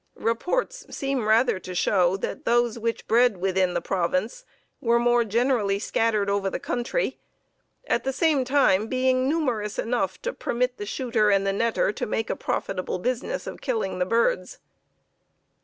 Reports seem rather to show that those which bred within the province were more generally scattered over the country, at the same time being numerous enough to permit the shooter and the netter to make a profitable business of killing the birds.